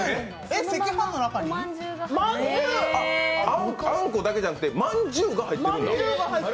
あんこだけじゃなくて、まんじゅうが入ってるんだ。